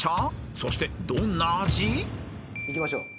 ［そしてどんな味？］いきましょう。